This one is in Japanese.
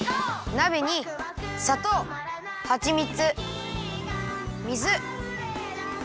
なべにさとうはちみつ水粉